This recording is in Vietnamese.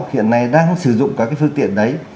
hiện nay đang sử dụng các cái phương tiện đấy